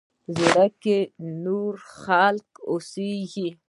زړه کښې نور خلق اوسيږي